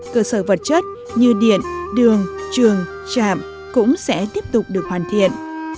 cơ sở vật chất như điện đường trường trạm cũng sẽ tiếp tục được hoàn thiện